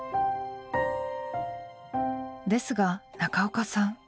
ですが中岡さん